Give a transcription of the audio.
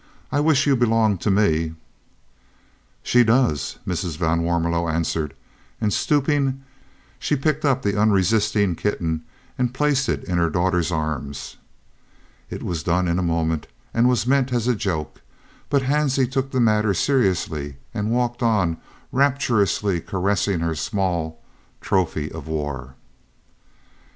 "I wish you belonged to me!" "She does," Mrs. van Warmelo answered, and stooping, she picked up the unresisting kitten and placed it in her daughter's arms. It was done in a moment and was meant for a joke, but Hansie took the matter seriously and walked on, rapturously caressing her small "trophy of the war."